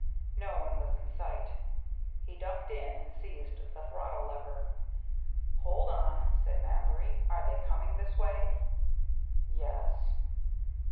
No one was in sight. He ducked in and seized the throttle lever. "Hold on," said Mallory. "Are they coming this way?" "Yes."